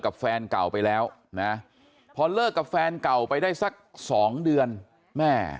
แฟนเก่าไปแล้วนะพอเลิกกับแฟนเก่าไปได้สักสองเดือนแม่